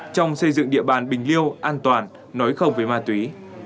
trong xây dựng địa bàn bình liêu an toàn nói không với ma túy